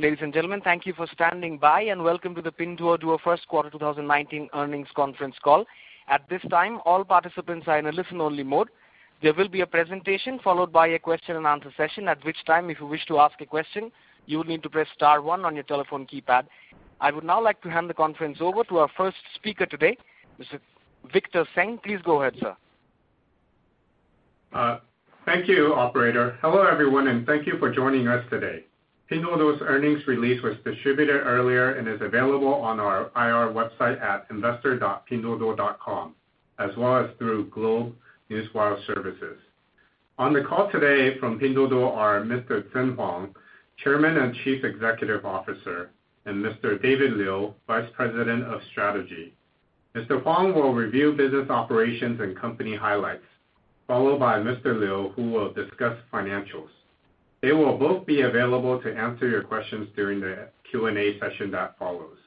Ladies and gentlemen, thank you for standing by and welcome to the Pinduoduo First Quarter 2019 earnings conference call. At this time, all participants are in a listen-only mode. There will be a presentation followed by a question and answer session, at which time, if you wish to ask a question, you will need to press star one on your telephone keypad. I would now like to hand the conference over to our first speaker today, Mr. Victor Tseng. Please go ahead, sir. Thank you, operator. Hello, everyone, thank you for joining us today. Pinduoduo's earnings release was distributed earlier and is available on our IR website at investor.pinduoduo.com, as well as through GlobeNewswire Services. On the call today from Pinduoduo are Mr. Zheng Huang, Chairman and Chief Executive Officer, and Mr. David Liu, Vice President of Strategy. Mr. Huang will review business operations and company highlights, followed by Mr. Liu, who will discuss financials. They will both be available to answer your questions during the Q&A session that follows.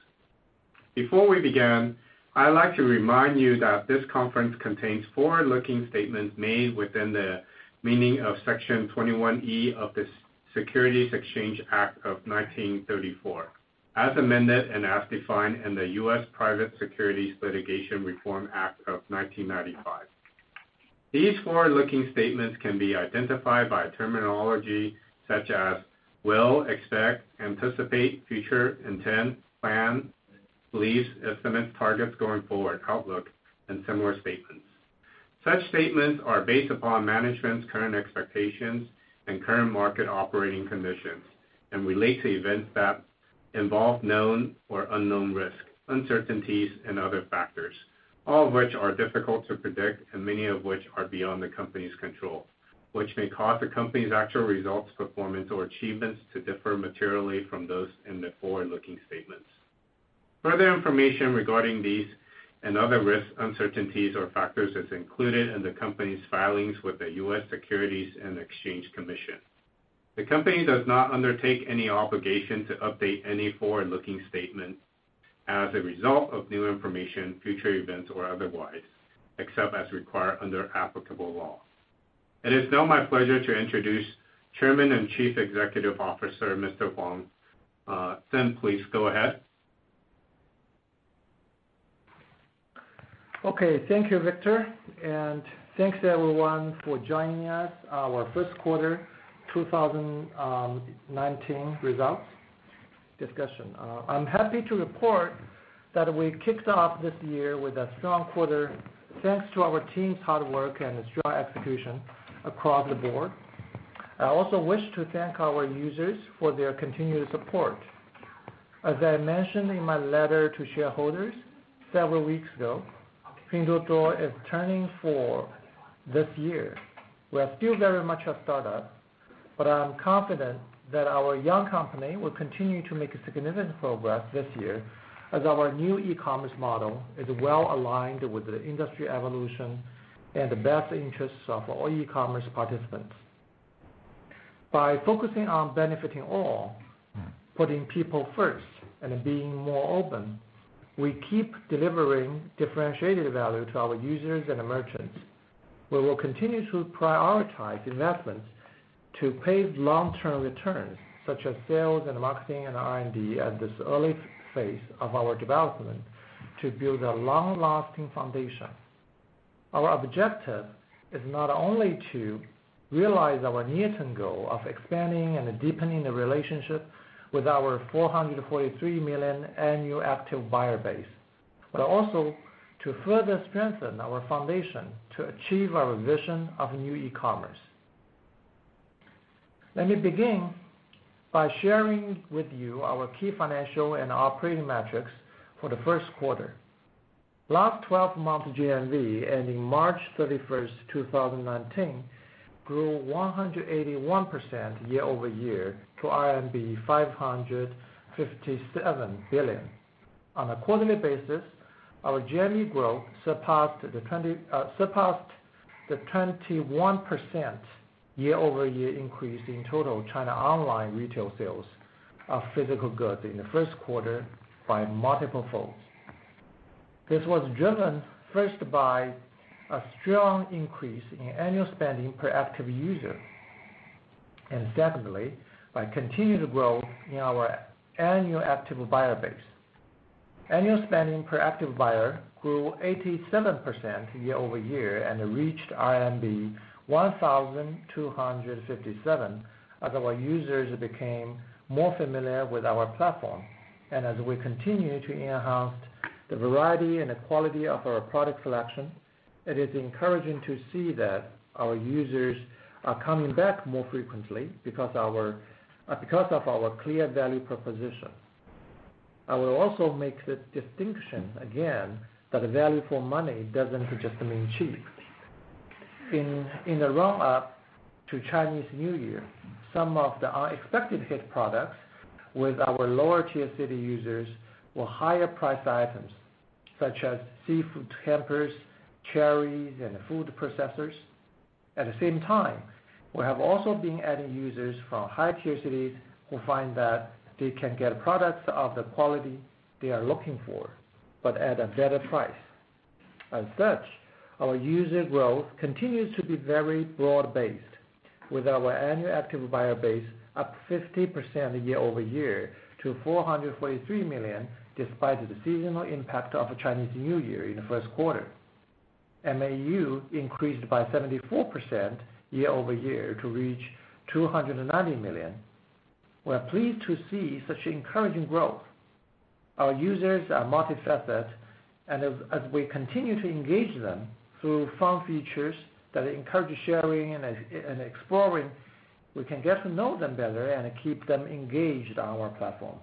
Before we begin, I'd like to remind you that this conference contains forward-looking statements made within the meaning of Section 21E of the Securities Exchange Act of 1934 as amended and as defined in the U.S. Private Securities Litigation Reform Act of 1995. These forward-looking statements can be identified by terminology such as will, expect, anticipate, future, intent, plan, believe, estimate, targets, going forward, outlook, and similar statements. Such statements are based upon management's current expectations and current market operating conditions and relate to events that involve known or unknown risks, uncertainties and other factors, all of which are difficult to predict, and many of which are beyond the company's control, which may cause the company's actual results, performance, or achievements to differ materially from those in the forward-looking statements. Further information regarding these and other risks, uncertainties, or factors is included in the company's filings with the U.S. Securities and Exchange Commission. The company does not undertake any obligation to update any forward-looking statements as a result of new information, future events, or otherwise, except as required under applicable law. It is now my pleasure to introduce Chairman and Chief Executive Officer, Mr. Huang. Zheng, please go ahead. Thank you, Victor. Thanks, everyone, for joining us our first quarter 2019 results discussion. I'm happy to report that we kicked off this year with a strong quarter, thanks to our team's hard work and its strong execution across the board. I also wish to thank our users for their continued support. As I mentioned in my letter to shareholders several weeks ago, Pinduoduo is turning four this year. We are still very much a start-up, but I am confident that our young company will continue to make significant progress this year as our new e-commerce model is well-aligned with the industry evolution and the best interests of all e-commerce participants. By focusing on benefiting all, putting people first, and being more open, we keep delivering differentiated value to our users and merchants. We will continue to prioritize investments to pave long-term returns such as sales and marketing and R&D at this early phase of our development to build a long-lasting foundation. Our objective is not only to realize our near-term goal of expanding and deepening the relationship with our 443 million annual active buyer base, but also to further strengthen our foundation to achieve our vision of new e-commerce. Let me begin by sharing with you our key financial and operating metrics for the first quarter. Last 12 month GMV ending March 31, 2019 grew 181% year-over-year to RMB 557 billion. On a quarterly basis, our GMV growth surpassed the 21% year-over-year increase in total China online retail sales of physical goods in the first quarter by multiple folds. This was driven first by a strong increase in annual spending per active user, secondly, by continued growth in our annual active buyer base. Annual spending per active buyer grew 87% year-over-year and reached RMB 1,257 as our users became more familiar with our platform. As we continue to enhance the variety and the quality of our product selection, it is encouraging to see that our users are coming back more frequently because of our clear value proposition. I will also make the distinction again that value for money doesn't just mean cheap. In the run-up to Chinese New Year, some of the unexpected hit products with our lower tier city users were higher priced items such as seafood hampers, cherries, and food processors. At the same time, we have also been adding users from higher tier cities who find that they can get products of the quality they are looking for, but at a better price. Our user growth continues to be very broad-based, with our annual active buyer base up 50% year-over-year to 443 million, despite the seasonal impact of Chinese New Year in the first quarter. MAU increased by 74% year-over-year to reach 290 million. We're pleased to see such encouraging growth. Our users are multifaceted, as we continue to engage them through fun features that encourage sharing and exploring, we can get to know them better and keep them engaged on our platform.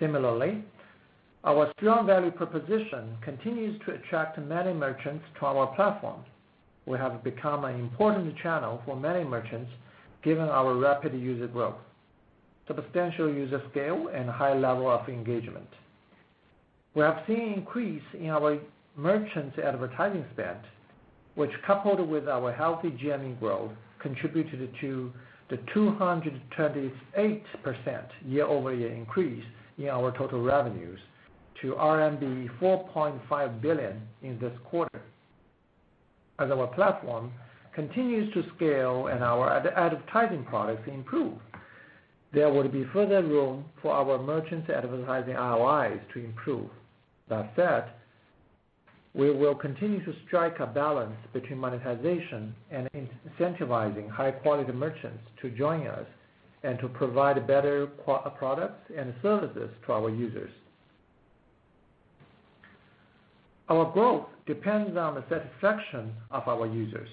Similarly, our strong value proposition continues to attract many merchants to our platform. We have become an important channel for many merchants, given our rapid user growth, the potential user scale, and high level of engagement. We have seen increase in our merchants' advertising spend, which coupled with our healthy GMV growth, contributed to the 228% year-over-year increase in our total revenues to RMB 4.5 billion in this quarter. As our platform continues to scale and our advertising products improve, there will be further room for our merchants' advertising ROIs to improve. That said, we will continue to strike a balance between monetization and incentivizing high-quality merchants to join us and to provide better products and services to our users. Our growth depends on the satisfaction of our users.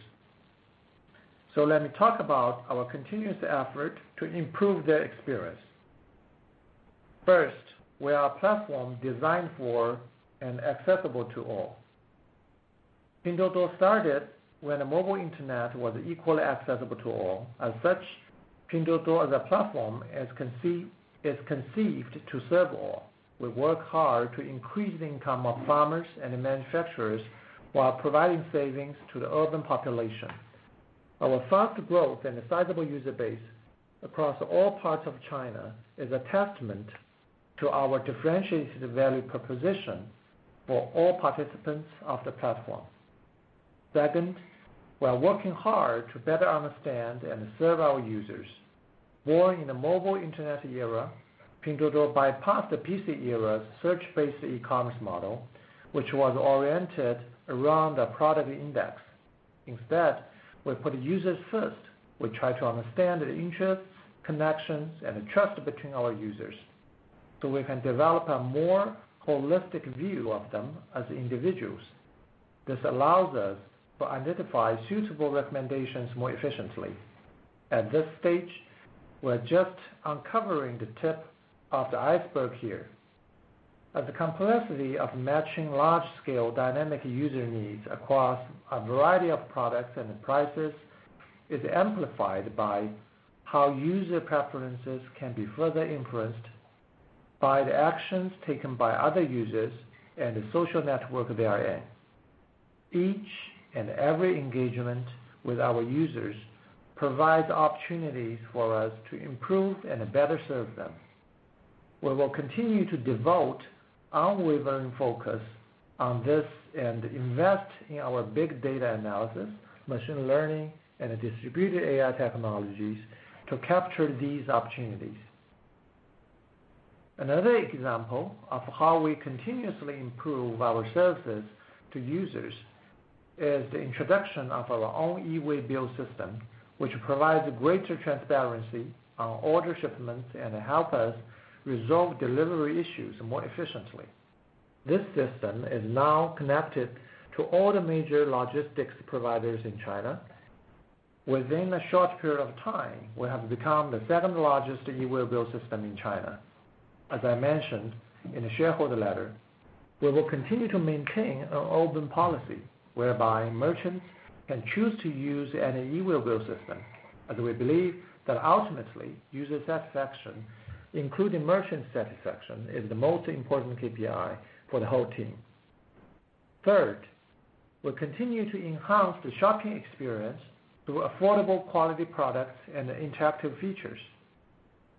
Let me talk about our continuous effort to improve their experience. First, we are a platform designed for and accessible to all. Pinduoduo started when the mobile internet was equally accessible to all. As such, Pinduoduo as a platform is conceived to serve all. We work hard to increase the income of farmers and manufacturers while providing savings to the urban population. Our fast growth and sizable user base across all parts of China is a testament to our differentiated value proposition for all participants of the platform. Second, we are working hard to better understand and serve our users. Born in the mobile internet era, Pinduoduo bypassed the PC era's search-based e-commerce model, which was oriented around a product index. Instead, we put users first. We try to understand the interests, connections, and trust between our users, so we can develop a more holistic view of them as individuals. This allows us to identify suitable recommendations more efficiently. At this stage, we're just uncovering the tip of the iceberg here. As the complexity of matching large-scale dynamic user needs across a variety of products and prices is amplified by how user preferences can be further influenced by the actions taken by other users and the social network they are in. Each and every engagement with our users provides opportunities for us to improve and better serve them. We will continue to devote unwavering focus on this and invest in our big data analysis, machine learning, and distributed AI technologies to capture these opportunities. Another example of how we continuously improve our services to users is the introduction of our own e-waybill system, which provides greater transparency on order shipments and help us resolve delivery issues more efficiently. This system is now connected to all the major logistics providers in China. Within a short period of time, we have become the second-largest e-waybill system in China. As I mentioned in the shareholder letter, we will continue to maintain an open policy whereby merchants can choose to use any e-waybill system, as we believe that ultimately, user satisfaction, including merchant satisfaction, is the most important KPI for the whole team. Third, we continue to enhance the shopping experience through affordable quality products and interactive features.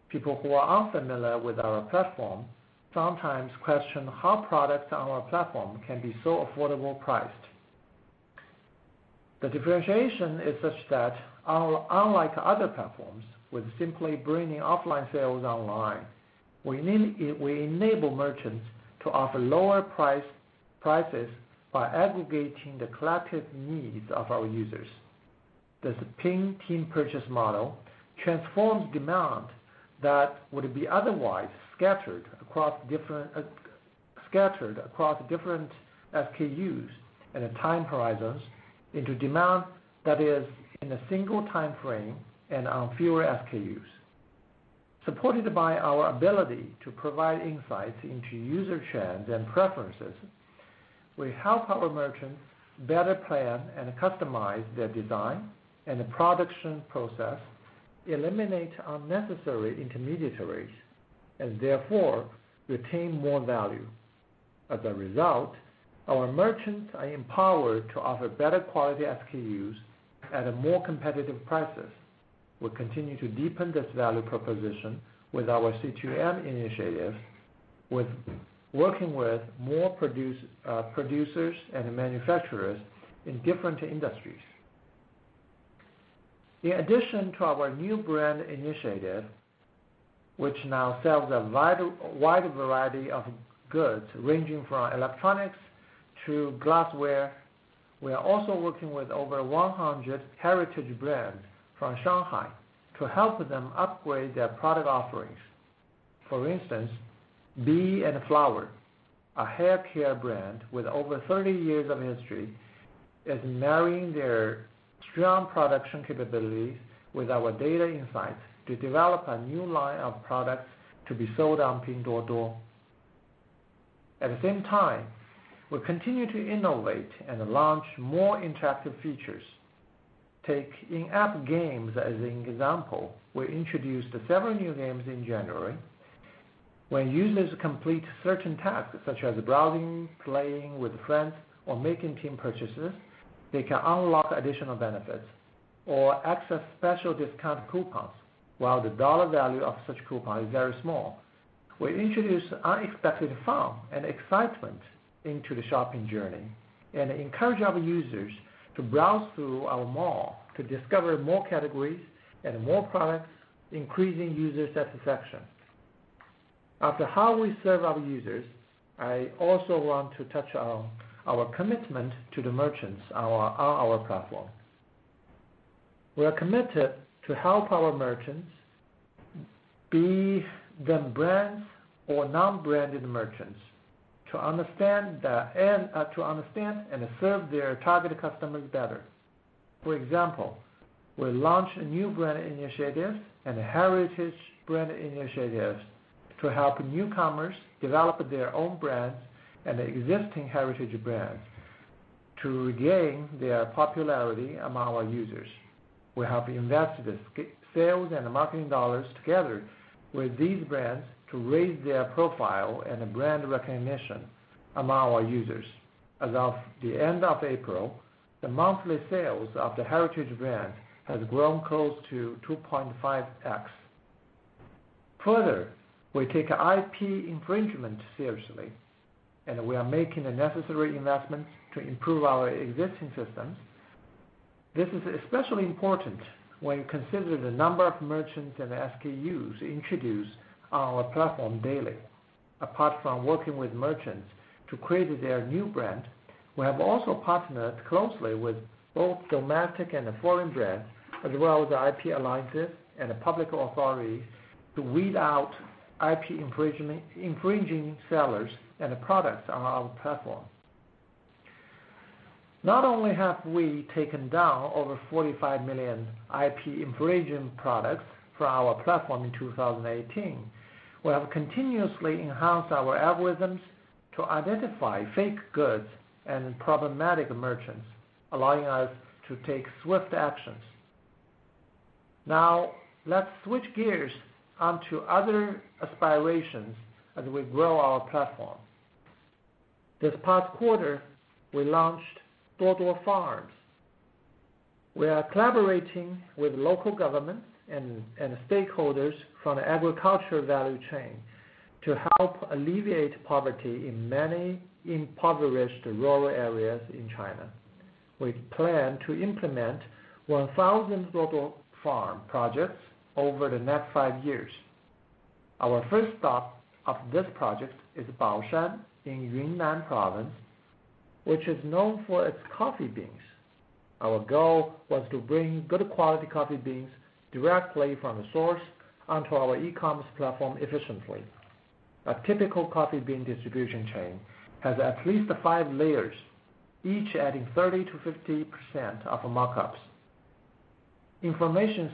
People who are unfamiliar with our platform sometimes question how products on our platform can be so affordably priced. The differentiation is such that unlike other platforms, with simply bringing offline sales online, we enable merchants to offer lower prices by aggregating the collective needs of our users. This Pin team purchase model transforms demand that would be otherwise scattered across different SKUs and time horizons into demand that is in a single timeframe and on fewer SKUs. Supported by our ability to provide insights into user trends and preferences, we help our merchants better plan and customize their design and the production process, eliminate unnecessary intermediaries, and therefore retain more value. As a result, our merchants are empowered to offer better quality SKUs at more competitive prices. We'll continue to deepen this value proposition with our C2M initiative, with working with more producers and manufacturers in different industries. In addition to our new brand initiative, which now sells a wide variety of goods ranging from electronics to glassware, we are also working with over 100 heritage brands from Shanghai to help them upgrade their product offerings. For instance, Bee & Flower, a hair care brand with over 30 years of history, is marrying their strong production capabilities with our data insights to develop a new line of products to be sold on Pinduoduo. At the same time, we continue to innovate and launch more interactive features. Take in-app games as an example. We introduced several new games in January. When users complete certain tasks, such as browsing, playing with friends, or making team purchases, they can unlock additional benefits or access special discount coupons. While the dollar value of such coupon is very small, we introduce unexpected fun and excitement into the shopping journey and encourage our users to browse through our mall to discover more categories and more products, increasing user satisfaction. After how we serve our users, I also want to touch on our commitment to the merchants on our platform. We are committed to help our merchants, be them brands or non-branded merchants, to understand and serve their targeted customers better. For example, we launched new brand initiatives and heritage brand initiatives to help newcomers develop their own brands and existing heritage brands to regain their popularity among our users. We have invested sales and marketing dollars together with these brands to raise their profile and brand recognition among our users. As of the end of April, the monthly sales of the heritage brand has grown close to 2.5x. We take IP infringement seriously, and we are making the necessary investments to improve our existing systems. This is especially important when you consider the number of merchants and SKUs introduced on our platform daily. Apart from working with merchants to create their new brand, we have also partnered closely with both domestic and foreign brands, as well as IP alliances and public authorities to weed out IP infringing sellers and products on our platform. Not only have we taken down over 45 million IP infringing products from our platform in 2018, we have continuously enhanced our algorithms to identify fake goods and problematic merchants, allowing us to take swift actions. Now, let's switch gears onto other aspirations as we grow our platform. This past quarter, we launched Duoduo Farms. We are collaborating with local governments and stakeholders from the agriculture value chain to help alleviate poverty in many impoverished rural areas in China. We plan to implement 1,000 Duoduo Farm projects over the next five years. Our first stop of this project is Baoshan in Yunnan Province, which is known for its coffee beans. Our goal was to bring good quality coffee beans directly from the source onto our e-commerce platform efficiently. A typical coffee bean distribution chain has at least five layers, each adding 30%-50% of markups. Information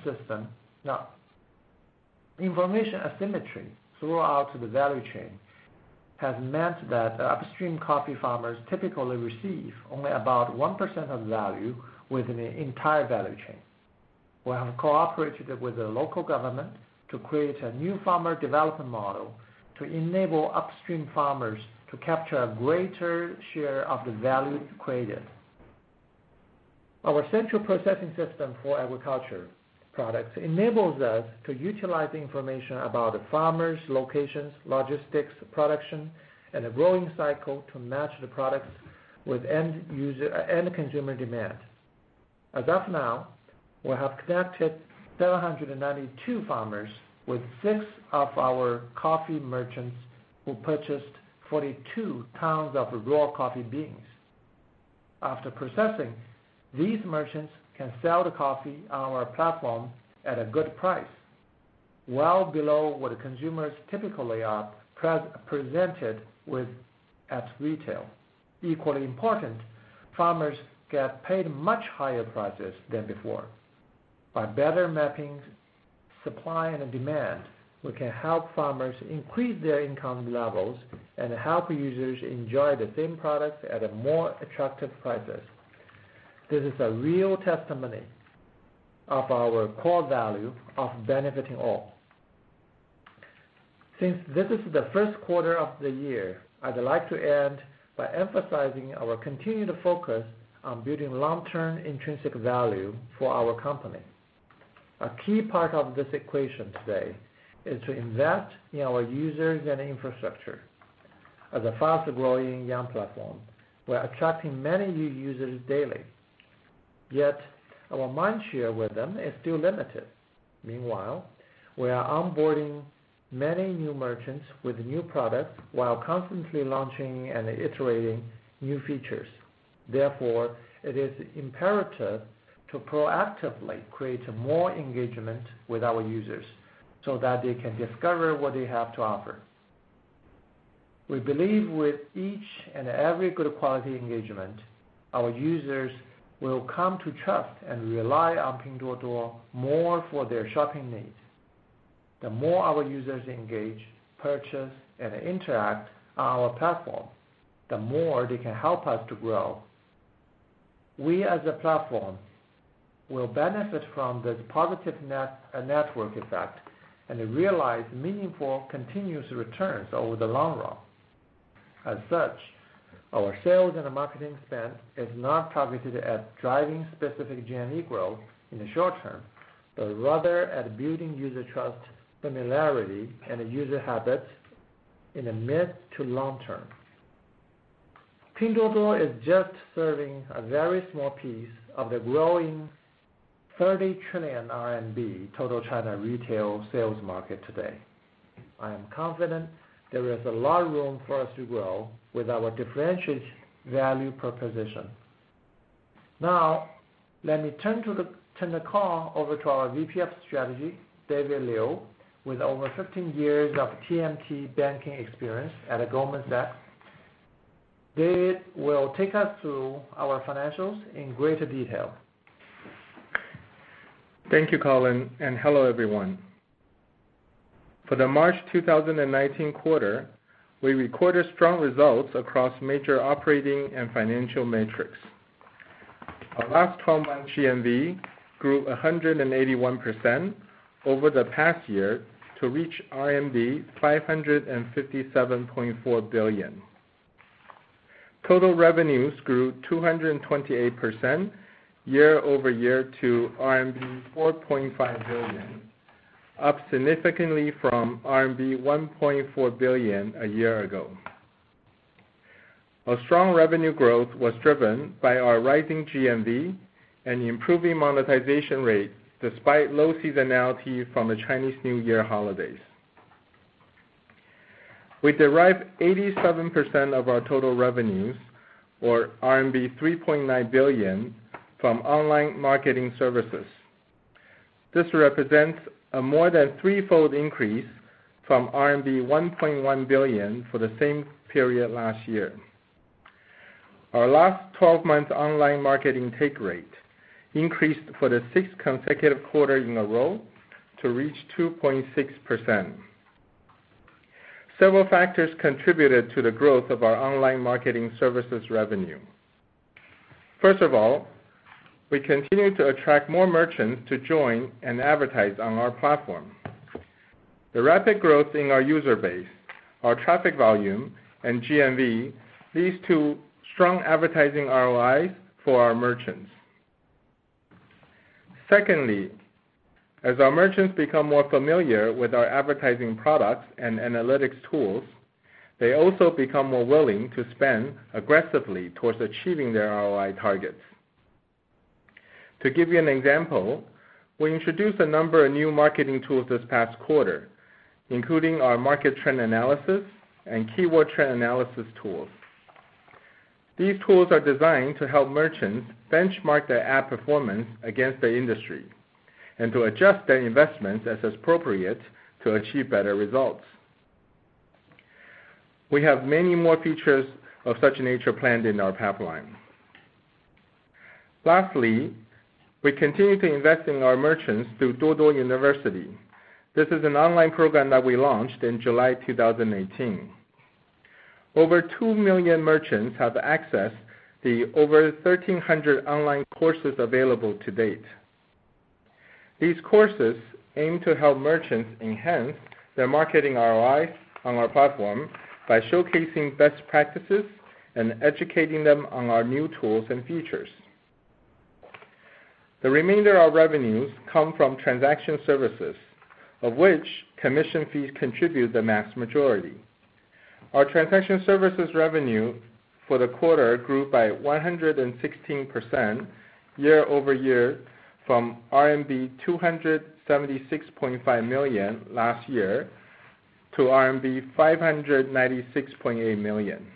asymmetry throughout the value chain has meant that upstream coffee farmers typically receive only about 1% of the value within the entire value chain. We have cooperated with the local government to create a new farmer development model to enable upstream farmers to capture a greater share of the value created. Our central processing system for agriculture products enables us to utilize the information about the farmers, locations, logistics, production, and growing cycle to match the products with end consumer demand. As of now, we have connected 792 farmers with six of our coffee merchants who purchased 42 tons of raw coffee beans. After processing, these merchants can sell the coffee on our platform at a good price, well below what consumers typically are presented with at retail. Equally important, farmers get paid much higher prices than before. By better mapping supply and demand, we can help farmers increase their income levels and help users enjoy the same products at more attractive prices. This is a real testimony of our core value of benefiting all. Since this is the first quarter of the year, I'd like to end by emphasizing our continued focus on building long-term intrinsic value for our company. A key part of this equation today is to invest in our users and infrastructure. As a faster-growing platform, we're attracting many new users daily, yet our mind share with them is still limited. Meanwhile, we are onboarding many new merchants with new products while constantly launching and iterating new features. It is imperative to proactively create more engagement with our users so that they can discover what they have to offer. We believe with each and every good quality engagement, our users will come to trust and rely on Pinduoduo more for their shopping needs. The more our users engage, purchase, and interact on our platform, the more they can help us to grow. We, as a platform, will benefit from this positive net network effect and realize meaningful continuous returns over the long run. As such, our sales and marketing spend is not targeted at driving specific GMV growth in the short term, but rather at building user trust, familiarity, and user habits in the mid to long term. Pinduoduo is just serving a very small piece of the growing 30 trillion RMB total China retail sales market today. I am confident there is a lot of room for us to grow with our differentiated value proposition. Now, let me turn the call over to our VP of Strategy, David Liu, with over 15 years of TMT banking experience at Goldman Sachs. David will take us through our financials in greater detail. Thank you, Colin, and hello, everyone. For the March 2019 quarter, we recorded strong results across major operating and financial metrics. Our last twelve months GMV grew 181% over the past year to reach RMB 557.4 billion. Total revenues grew 228% year-over-year to RMB 4.5 billion, up significantly from RMB 1.4 billion a year ago. Our strong revenue growth was driven by our rising GMV and improving monetization rate despite low seasonality from the Chinese New Year holidays. We derived 87% of our total revenues, or RMB 3.9 billion, from online marketing services. This represents a more than threefold increase from RMB 1.1 billion for the same period last year. Our last 12 months online marketing take rate increased for the sixth consecutive quarter in a row to reach 2.6%. Several factors contributed to the growth of our online marketing services revenue. First of all, we continue to attract more merchants to join and advertise on our platform. The rapid growth in our user base, our traffic volume and GMV leads to strong advertising ROIs for our merchants. Secondly, as our merchants become more familiar with our advertising products and analytics tools, they also become more willing to spend aggressively towards achieving their ROI targets. To give you an example, we introduced a number of new marketing tools this past quarter, including our market trend analysis and keyword trend analysis tools. These tools are designed to help merchants benchmark their ad performance against the industry and to adjust their investments as appropriate to achieve better results. We have many more features of such nature planned in our pipeline. Lastly, we continue to invest in our merchants through Duoduo University. This is an online program that we launched in July 2018. Over 2 million merchants have accessed the over 1,300 online courses available to date. These courses aim to help merchants enhance their marketing ROI on our platform by showcasing best practices and educating them on our new tools and features. The remainder of revenues come from transaction services, of which commission fees contribute the vast majority. Our transaction services revenue for the quarter grew by 116% year-over-year from RMB 276.5 million last year to RMB 596.8 million.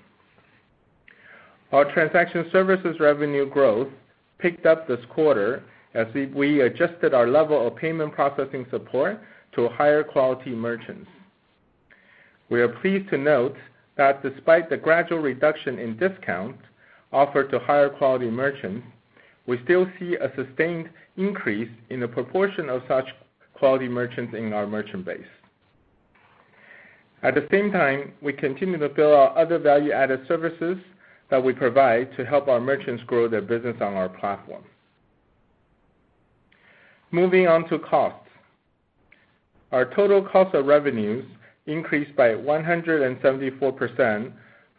Our transaction services revenue growth picked up this quarter as we adjusted our level of payment processing support to higher quality merchants. We are pleased to note that despite the gradual reduction in discounts offered to higher quality merchants, we still see a sustained increase in the proportion of such quality merchants in our merchant base. At the same time, we continue to build our other value-added services that we provide to help our merchants grow their business on our platform. Moving on to costs. Our total cost of revenues increased by 174%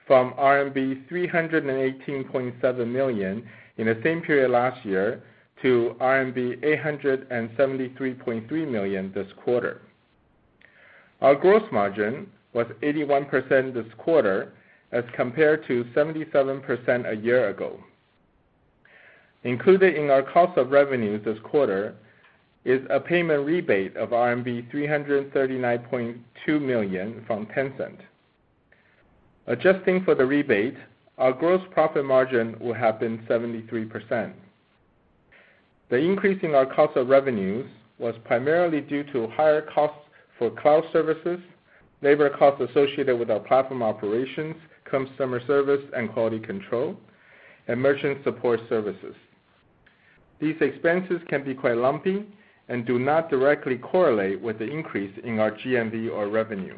from RMB 318.7 million in the same period last year to RMB 873.3 million this quarter. Our gross margin was 81% this quarter as compared to 77% a year ago. Included in our cost of revenues this quarter is a payment rebate of RMB 339.2 million from Tencent. Adjusting for the rebate, our gross profit margin would have been 73%. The increase in our cost of revenues was primarily due to higher costs for cloud services, labor costs associated with our platform operations, customer service and quality control, and merchant support services. These expenses can be quite lumpy and do not directly correlate with the increase in our GMV or revenue.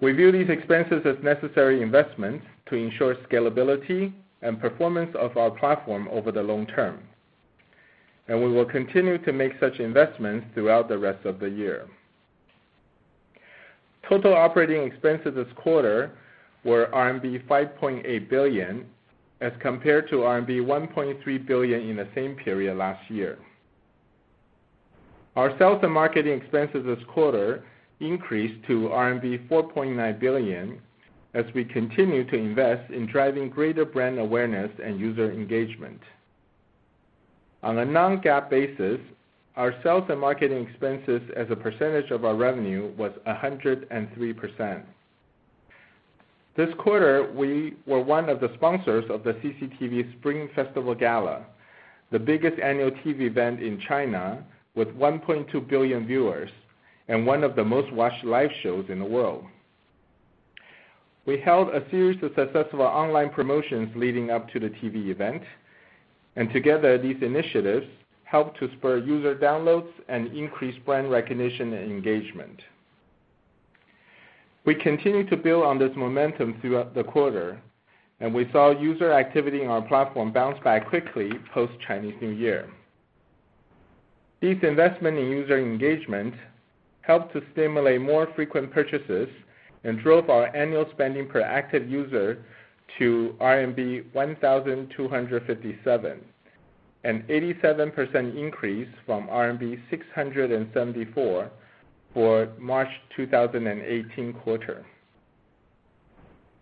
We view these expenses as necessary investments to ensure scalability and performance of our platform over the long term, and we will continue to make such investments throughout the rest of the year. Total operating expenses this quarter were RMB 5.8 billion as compared to RMB 1.3 billion in the same period last year. Our sales and marketing expenses this quarter increased to RMB 4.9 billion as we continue to invest in driving greater brand awareness and user engagement. On a non-GAAP basis, our sales and marketing expenses as a percentage of our revenue was 103%. This quarter, we were one of the sponsors of the CCTV Spring Festival Gala, the biggest annual TV event in China with 1.2 billion viewers and one of the most-watched live shows in the world. We held a series of successful online promotions leading up to the TV event, and together, these initiatives helped to spur user downloads and increase brand recognition and engagement. We continue to build on this momentum throughout the quarter, and we saw user activity on our platform bounce back quickly post-Chinese New Year. These investment in user engagement helped to stimulate more frequent purchases and drove our annual spending per active user to RMB 1,257, an 87% increase from RMB 674 for March 2018 quarter.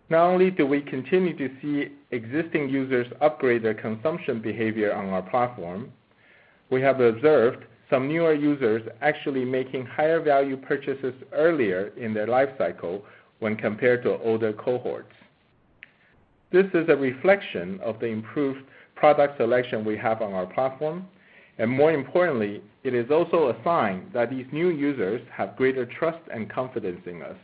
Not only do we continue to see existing users upgrade their consumption behavior on our platform, we have observed some newer users actually making higher value purchases earlier in their life cycle when compared to older cohorts. This is a reflection of the improved product selection we have on our platform, and more importantly, it is also a sign that these new users have greater trust and confidence in us.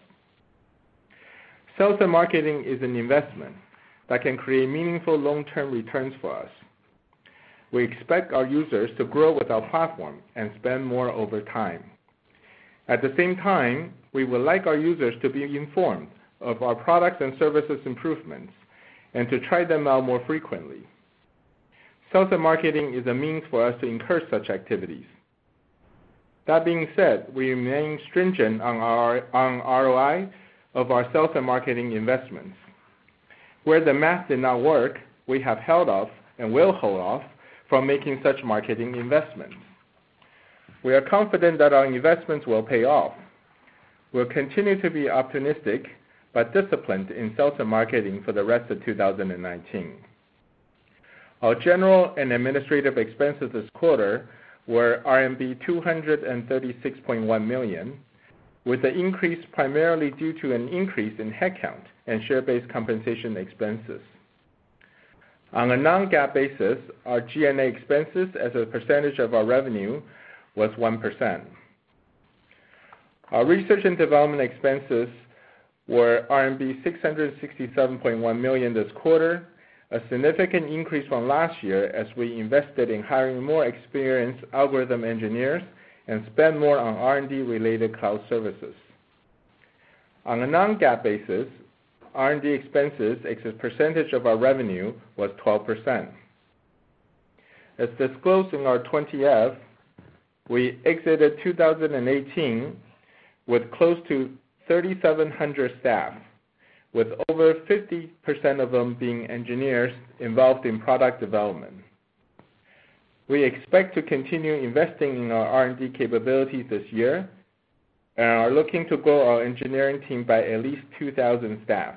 Sales and marketing is an investment that can create meaningful long-term returns for us. We expect our users to grow with our platform and spend more over time. At the same time, we would like our users to be informed of our products and services improvements and to try them out more frequently. Sales and marketing is a means for us to encourage such activities. That being said, we remain stringent on ROI of our sales and marketing investments. Where the math did not work, we have held off and will hold off from making such marketing investments. We are confident that our investments will pay off. We'll continue to be optimistic but disciplined in sales and marketing for the rest of 2019. Our general and administrative expenses this quarter were RMB 236.1 million, with the increase primarily due to an increase in headcount and share-based compensation expenses. On a non-GAAP basis, our G&A expenses as a percentage of our revenue was 1%. Our research and development expenses were RMB 667.1 million this quarter, a significant increase from last year as we invested in hiring more experienced algorithm engineers and spent more on R&D-related cloud services. On a non-GAAP basis, R&D expenses as a percentage of our revenue was 12%. As disclosed in our 20-F, we exited 2018 with close to 3,700 staff, with over 50% of them being engineers involved in product development. We expect to continue investing in our R&D capabilities this year and are looking to grow our engineering team by at least 2,000 staff.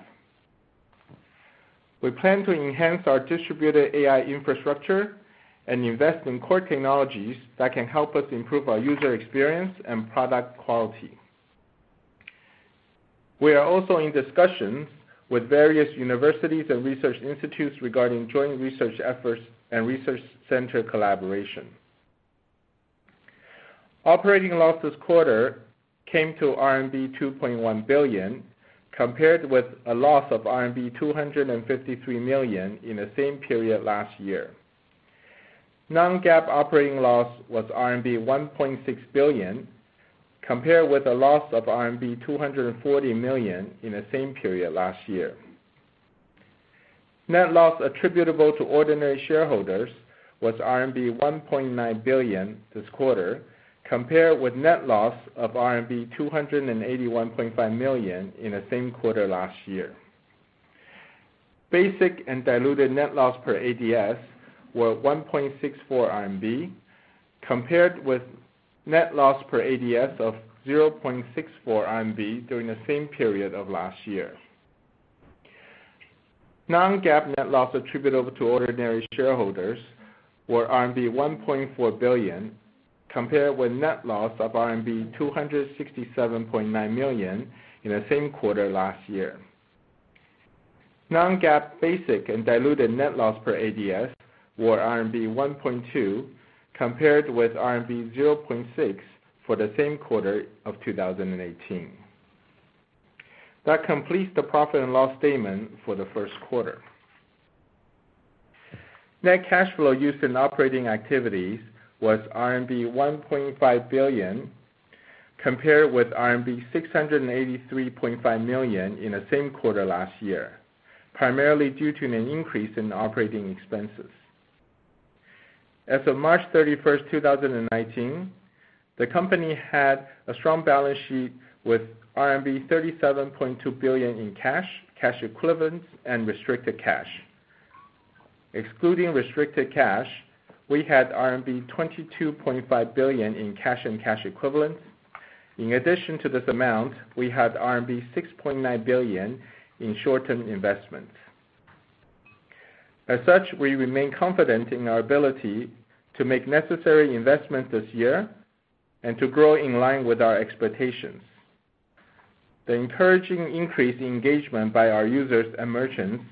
We plan to enhance our distributed AI infrastructure and invest in core technologies that can help us improve our user experience and product quality. We are also in discussions with various universities and research institutes regarding joint research efforts and research center collaboration. Operating loss this quarter came to RMB 2.1 billion, compared with a loss of RMB 253 million in the same period last year. Non-GAAP operating loss was RMB 1.6 billion, compared with a loss of RMB 240 million in the same period last year. Net loss attributable to ordinary shareholders was RMB 1.9 billion this quarter, compared with net loss of RMB 281.5 million in the same quarter last year. Basic and diluted net loss per ADS were 1.64 RMB, compared with net loss per ADS of 0.64 RMB during the same period of last year. Non-GAAP net loss attributable to ordinary shareholders were RMB 1.4 billion, compared with net loss of RMB 267.9 million in the same quarter last year. Non-GAAP basic and diluted net loss per ADS were RMB 1.2, compared with RMB 0.6 for the same quarter of 2018. That completes the profit and loss statement for the first quarter. Net cash flow used in operating activities was RMB 1.5 billion, compared with RMB 683.5 million in the same quarter last year, primarily due to an increase in operating expenses. As of March 31st, 2019, the company had a strong balance sheet with RMB 37.2 billion in cash equivalents, and restricted cash. Excluding restricted cash, we had RMB 22.5 billion in cash and cash equivalents. In addition to this amount, we had RMB 6.9 billion in short-term investments. As such, we remain confident in our ability to make necessary investments this year and to grow in line with our expectations. The encouraging increased engagement by our users and merchants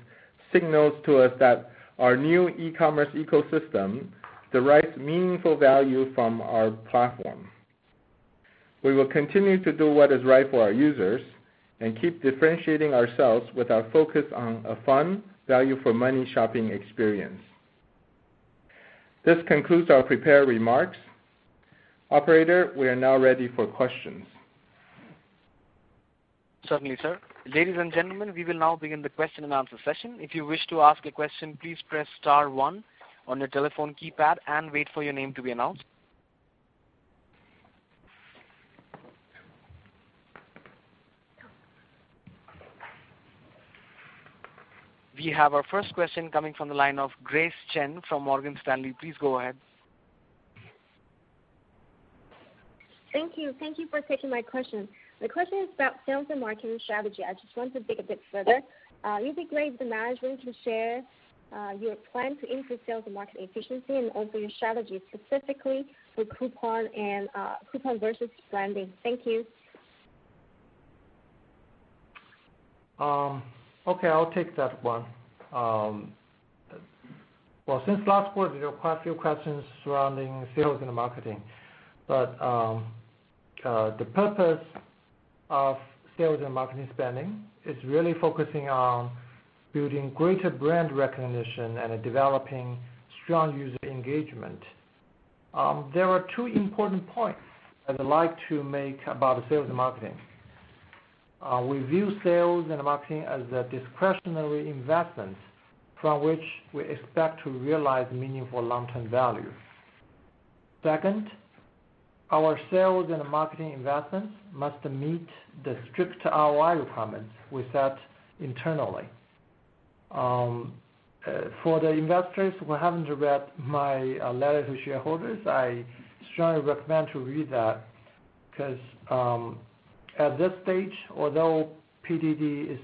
signals to us that our new e-commerce ecosystem derives meaningful value from our platform. We will continue to do what is right for our users and keep differentiating ourselves with our focus on a fun, value-for-money shopping experience. This concludes our prepared remarks. Operator, we are now ready for questions. Certainly, sir. Ladies and gentlemen, we will now begin the question and answer session. If you wish to ask a question, please press star one on your telephone keypad and wait for your name to be announced. We have our first question coming from the line of Grace Chen from Morgan Stanley. Please go ahead. Thank you. Thank you for taking my question. My question is about sales and marketing strategy. I just want to dig a bit further. It'd be great if the management can share your plan to increase sales and marketing efficiency and also your strategy specifically with coupon and coupon versus branding. Thank you. Okay, I'll take that one. Well, since last quarter, there are quite a few questions surrounding sales and marketing. The purpose of sales and marketing spending is really focusing on building greater brand recognition and developing strong user engagement. There are two important points I'd like to make about sales and marketing. We view sales and marketing as a discretionary investment from which we expect to realize meaningful long-term value. Second, our sales and marketing investments must meet the strict ROI requirements we set internally. For the investors who haven't read my letter to shareholders, I strongly recommend to read that, 'cause at this stage, although PDD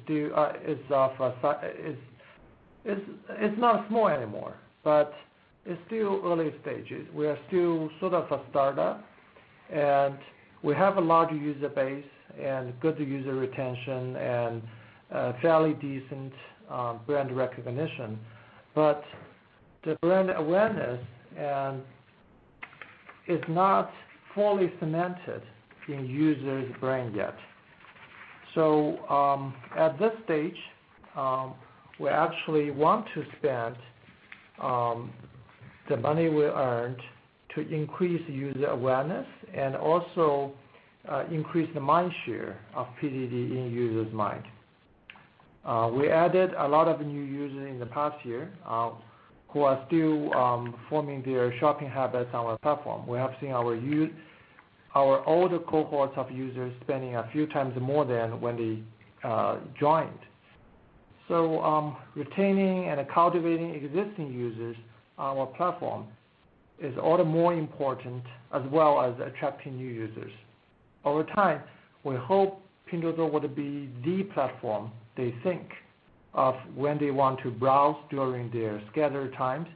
is not small anymore, but it's still early stages. We are still sort of a startup. We have a large user base and good user retention, fairly decent brand recognition. The brand awareness is not fully cemented in users' brain yet. At this stage, we actually want to spend the money we earned to increase user awareness and also increase the mind share of PDD in users' mind. We added a lot of new users in the past year who are still forming their shopping habits on our platform. We have seen our older cohorts of users spending a few times more than when they joined. Retaining and cultivating existing users on our platform is all the more important as well as attracting new users. Over time, we hope Pinduoduo will be the platform they think of when they want to browse during their scattered times,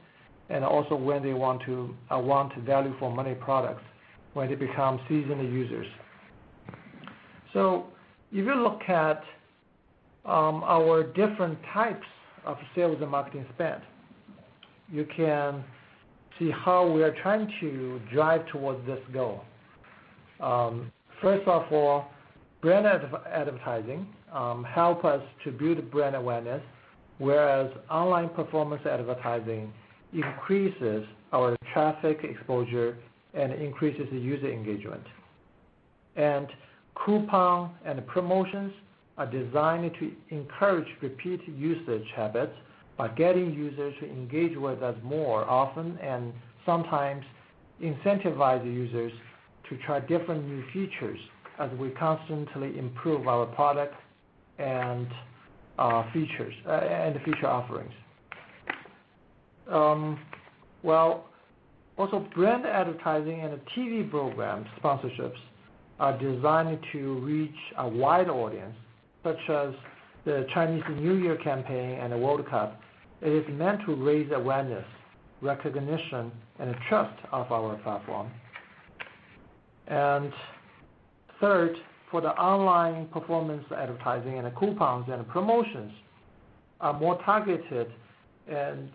and also when they want to want value-for-money products, when they become seasoned users. If you look at our different types of sales and marketing spend, you can see how we are trying to drive towards this goal. First of all, brand advertising help us to build brand awareness, whereas online performance advertising increases our traffic exposure and increases user engagement. Coupon and promotions are designed to encourage repeat usage habits by getting users to engage with us more often, and sometimes incentivize the users to try different new features as we constantly improve our product and features and the feature offerings. Well, also brand advertising and TV program sponsorships are designed to reach a wide audience, such as the Chinese New Year campaign and the World Cup. It is meant to raise awareness, recognition, and trust of our platform. Third, for the online performance advertising and the coupons and promotions are more targeted and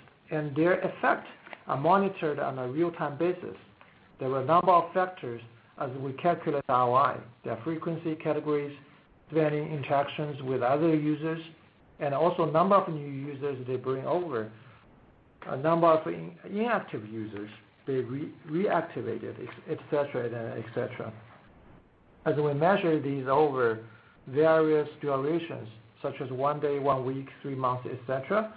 their effect are monitored on a real-time basis. There are a number of factors as we calculate ROI. There are frequency categories, varying interactions with other users, and also number of new users they bring over, a number of inactive users they reactivated, et cetera. As we measure these over various durations, such as one day, one week, three months, et cetera,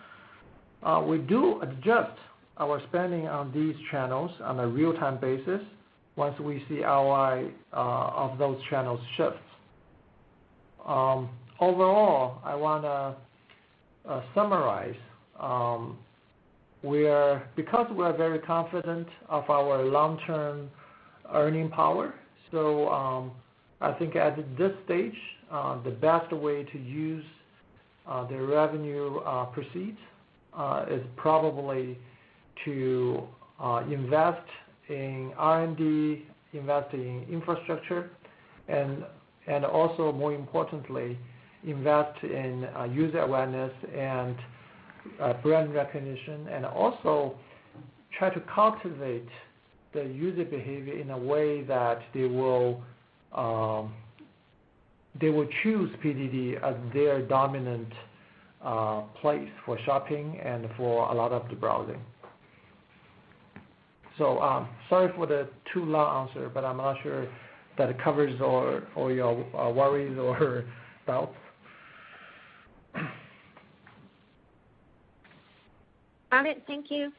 we do adjust our spending on these channels on a real-time basis once we see ROI of those channels shift. Overall, I want to summarize, because we are very confident of our long-term earning power, I think at this stage, the best way to use the revenue proceeds is probably to invest in R&D, invest in infrastructure, and also more importantly, invest in user awareness and brand recognition, and also try to cultivate the user behavior in a way that they will choose PDD as their dominant place for shopping and for a lot of the browsing. Sorry for the too long answer, but I'm not sure that it covers all your worries or, well. Got it. Thank you.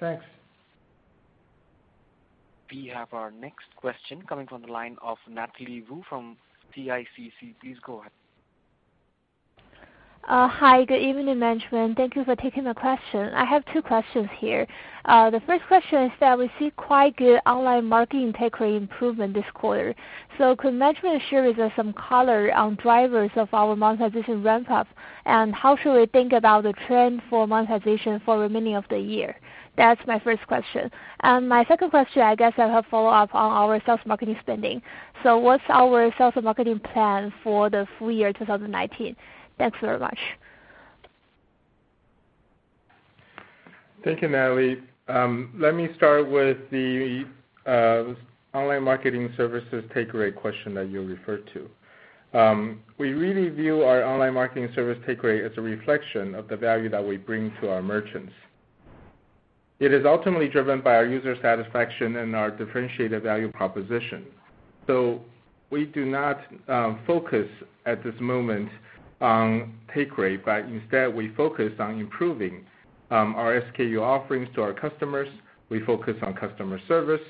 Thanks. We have our next question coming from the line of Natalie Wu from CICC. Please go ahead. Hi, good evening, management. Thank you for taking my question. I have two questions here. The first question is that we see quite good online marketing take rate improvement this quarter. Could management share with us some color on drivers of our monetization ramp up? How should we think about the trend for monetization for remaining of the year? That's my first question. My second question, I guess, I have follow-up on our sales marketing spending. What's our sales and marketing plan for the full year 2019? Thanks very much. Thank you, Natalie. Let me start with the online marketing services take rate question that you referred to. We really view our online marketing service take rate as a reflection of the value that we bring to our merchants. It is ultimately driven by our user satisfaction and our differentiated value proposition. We do not focus at this moment on take rate, but instead we focus on improving our SKU offerings to our customers. We focus on customer service,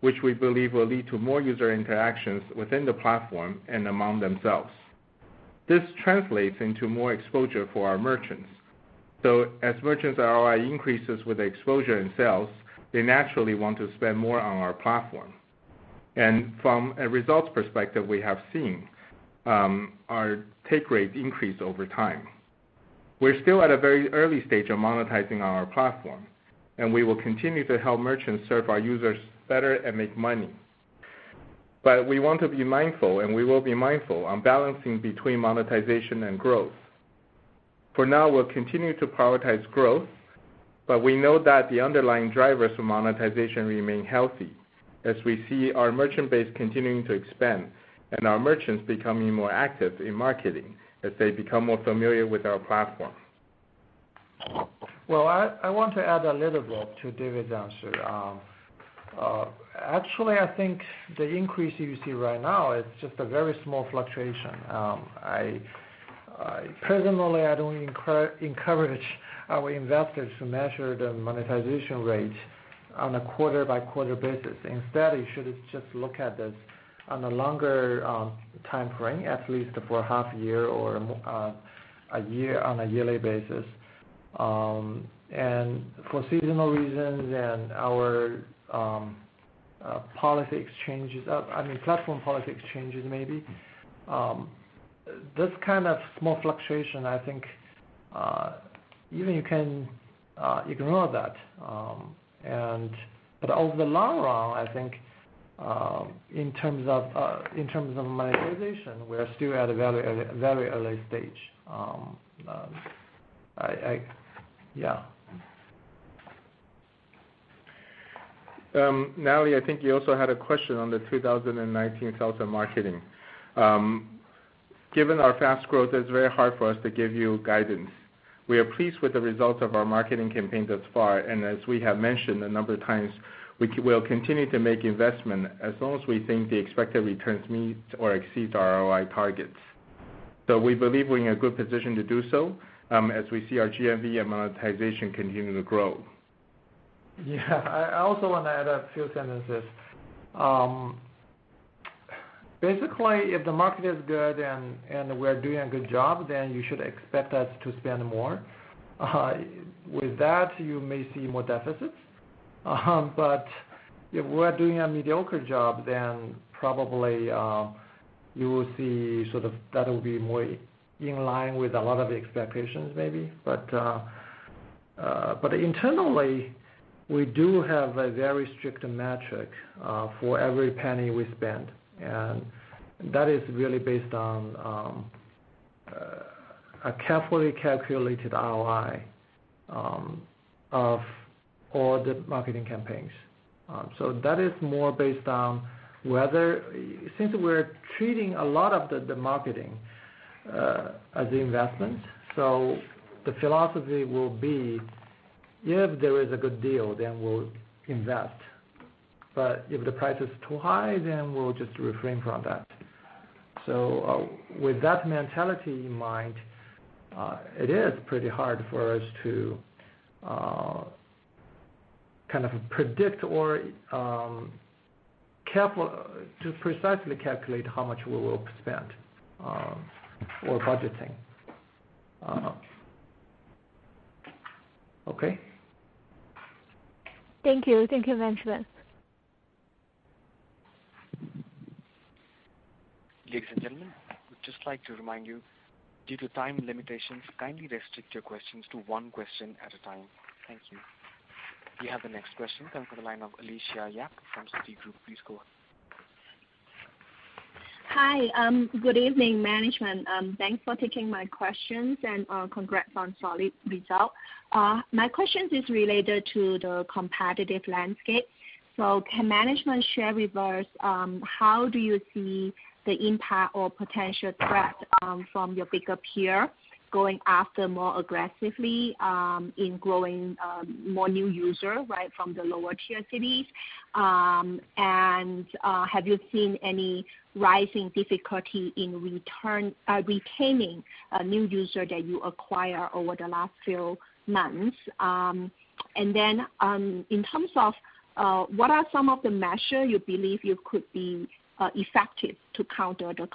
which we believe will lead to more user interactions within the platform and among themselves. This translates into more exposure for our merchants. As merchants ROI increases with exposure and sales, they naturally want to spend more on our platform. From a results perspective, we have seen our take rate increase over time. We're still at a very early stage of monetizing our platform, and we will continue to help merchants serve our users better and make money. We want to be mindful, and we will be mindful on balancing between monetization and growth. For now, we'll continue to prioritize growth, but we know that the underlying drivers for monetization remain healthy as we see our merchant base continuing to expand and our merchants becoming more active in marketing as they become more familiar with our platform. Well, I want to add a little bit to David's answer. Actually, I think the increase you see right now is just a very small fluctuation. I personally, I don't encourage our investors to measure the monetization rate on a quarter-by-quarter basis. Instead, you should just look at this on a longer timeframe, at least for half year or a year, on a yearly basis. For seasonal reasons and our policy exchanges, I mean platform policy exchanges maybe, this kind of small fluctuation, I think, even you can ignore that. Over the long run, I think, in terms of monetization, we are still at a very early stage. Natalie, I think you also had a question on the 2019 sales and marketing. Given our fast growth, it's very hard for us to give you guidance. We are pleased with the results of our marketing campaigns thus far, and as we have mentioned a number of times, we will continue to make investment as long as we think the expected returns meet or exceed our ROI targets. We believe we're in a good position to do so, as we see our GMV and monetization continuing to grow. Yeah. I also want to add a few sentences. Basically, if the market is good and we're doing a good job, then you should expect us to spend more. With that, you may see more deficits. If we're doing a mediocre job, then probably, you will see sort of that will be more in line with a lot of expectations maybe. Internally, we do have a very strict metric for every penny we spend. That is really based on a carefully calculated ROI of all the marketing campaigns. That is more based on whether since we're treating a lot of the marketing as investment, the philosophy will be, if there is a good deal, then we'll invest. If the price is too high, then we'll just refrain from that. With that mentality in mind, it is pretty hard for us to kind of predict or to precisely calculate how much we will spend or budgeting. Okay? Thank you. Thank you, management. Ladies and gentlemen, we'd just like to remind you, due to time limitations, kindly restrict your questions to one question at a time. Thank you. We have the next question coming from the line of Alicia Yap from Citigroup. Please go ahead. Hi. Good evening, management. Thanks for taking my questions, and congrats on solid result. My questions is related to the competitive landscape. Can management share with us how do you see the impact or potential threat from your bigger peer going after more aggressively in growing more new user, right? From the lower tier cities. Have you seen any rising difficulty in retaining a new user that you acquire over the last few months? In terms of what are some of the measure you believe you could be effective to counter the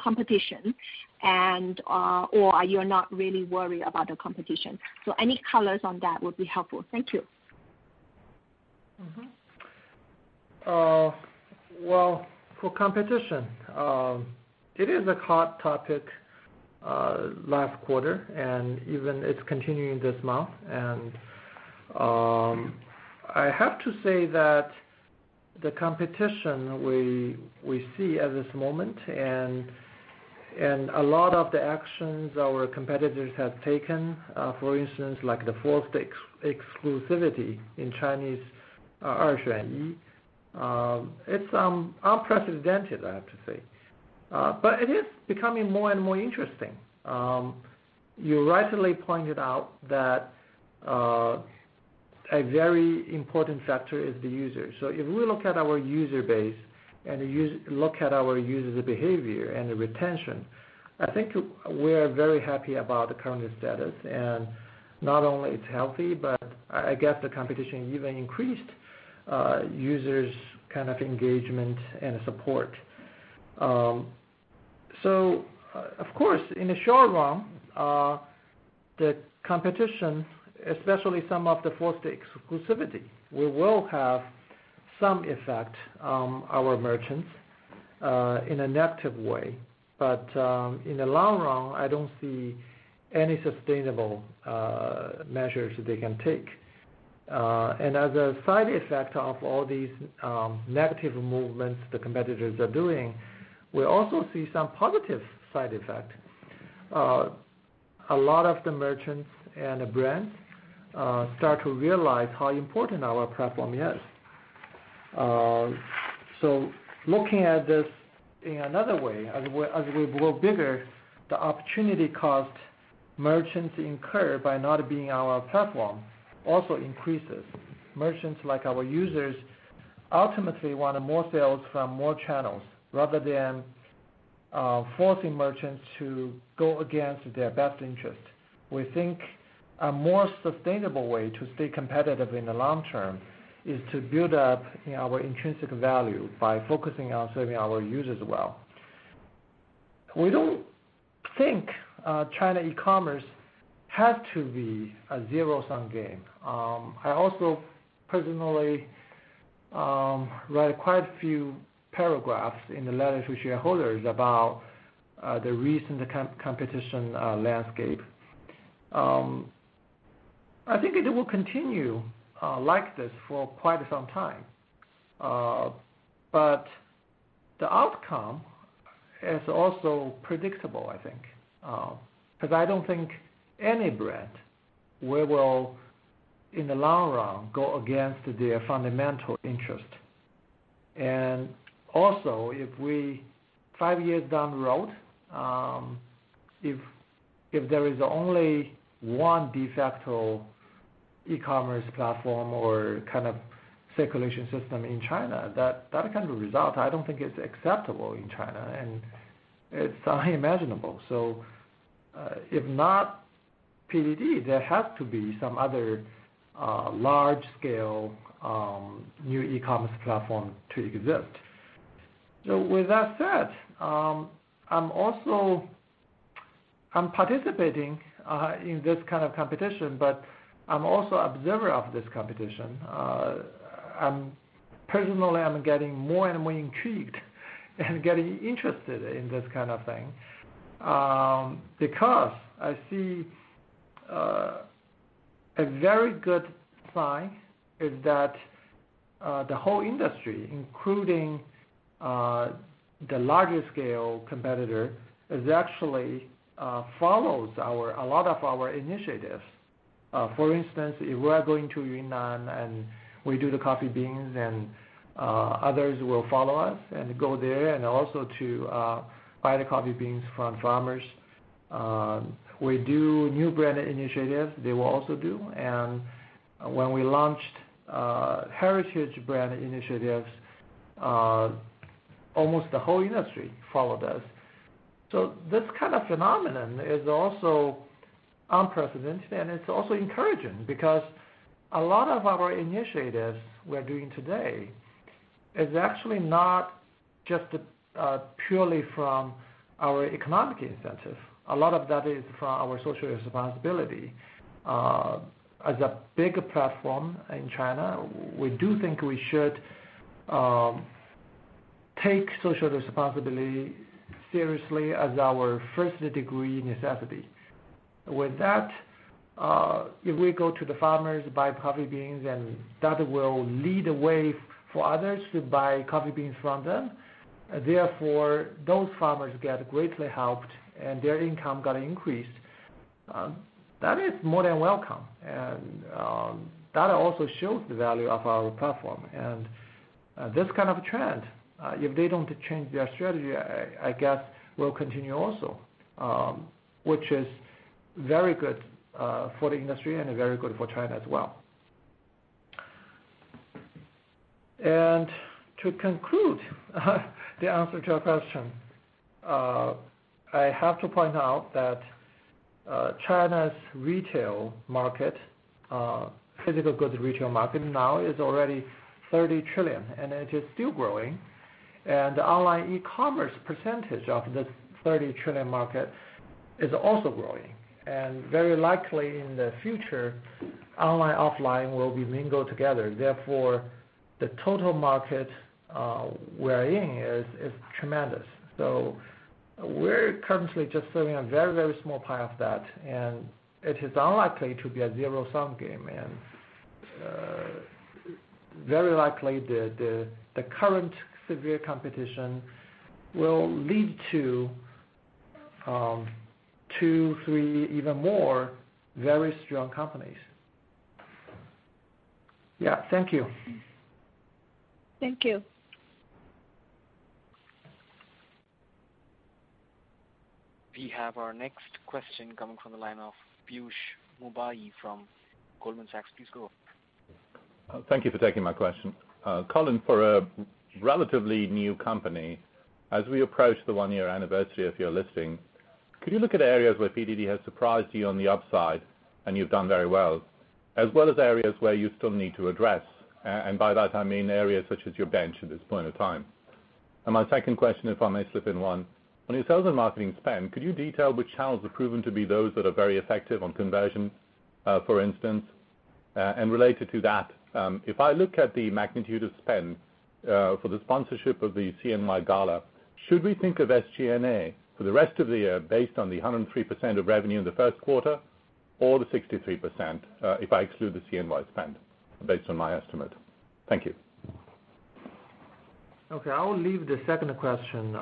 competition, or are you not really worried about the competition? Any colors on that would be helpful. Thank you. Well, for competition, it is a hot topic last quarter, and even it's continuing this month. I have to say that the competition we see at this moment and a lot of the actions our competitors have taken, for instance, like the forced exclusivity in Chinese, Er Xuanyi, it's unprecedented, I have to say. It is becoming more and more interesting. You rightly pointed out that a very important factor is the user. If we look at our user base and look at our users' behavior and the retention, I think we're very happy about the current status. Not only it's healthy, but I guess the competition even increased users' kind of engagement and support. Of course, in the short run, the competition, especially some of the forced exclusivity, will have some effect on our merchants in a negative way. In the long run, I don't see any sustainable measures they can take. As a side effect of all these negative movements the competitors are doing, we also see some positive side effect. A lot of the merchants and the brands start to realize how important our platform is. Looking at this in another way, as we grow bigger, the opportunity cost merchants incur by not being on our platform also increases. Merchants, like our users, ultimately want more sales from more channels rather than forcing merchants to go against their best interest. We think a more sustainable way to stay competitive in the long term is to build up, you know, our intrinsic value by focusing on serving our users well. We don't think China e-commerce has to be a zero-sum game. I also personally write quite a few paragraphs in the letter to shareholders about the recent competition landscape. I think it will continue like this for quite some time. The outcome is also predictable, I think, 'cause I don't think any brand will in the long run go against their fundamental interest. Also, if we, five years down the road, if there is only one de facto e-commerce platform or kind of circulation system in China, that kind of result, I don't think it's acceptable in China, and it's unimaginable. If not PDD, there has to be some other large scale new e-commerce platform to exist. With that said, I'm participating in this kind of competition, but I'm also observer of this competition. Personally, I'm getting more and more intrigued and getting interested in this kind of thing, because I see a very good sign is that the whole industry, including the larger scale competitor, is actually follows our, a lot of our initiatives. For instance, if we are going to Yunnan and we do the coffee beans and others will follow us and go there and also to buy the coffee beans from farmers. We do new brand initiatives, they will also do. When we launched heritage brand initiatives, almost the whole industry followed us. This kind of phenomenon is also unprecedented, and it's also encouraging because a lot of our initiatives we're doing today is actually not just purely from our economic incentive. A lot of that is from our social responsibility. As a big platform in China, we do think we should take social responsibility seriously as our first degree necessity. With that, if we go to the farmers, buy coffee beans, and that will lead the way for others to buy coffee beans from them, therefore those farmers get greatly helped, and their income got increased, that is more than welcome. That also shows the value of our platform, and this kind of trend, if they don't change their strategy, I guess will continue also, which is very good for the industry and very good for China as well. To conclude the answer to your question, I have to point out that China's retail market, physical goods retail market now is already 30 trillion, and it is still growing. The online e-commerce percentage of this 30 trillion market is also growing. Very likely in the future, online, offline will be mingled together. Therefore, the total market we're in is tremendous. We're currently just serving a very small part of that, and it is unlikely to be a zero-sum game. Very likely the current severe competition will lead to two, three, even more very strong companies. Yeah, thank you. Thank you. We have our next question coming from the line of Piyush Mubayi from Goldman Sachs. Please go. Thank you for taking my question. Colin, for a relatively new company, as we approach the one-year anniversary of your listing, could you look at areas where PDD has surprised you on the upside and you've done very well, as well as areas where you still need to address? By that I mean areas such as your bench at this point in time. My second question, if I may slip in one, on your sales and marketing spend, could you detail which channels have proven to be those that are very effective on conversions, for instance? Related to that, if I look at the magnitude of spend, for the sponsorship of the CNY Gala, should we think of SG&A for the rest of the year based on the 103% of revenue in the first quarter or the 63%, if I exclude the CNY spend based on my estimate? Thank you. Okay, I will leave the second question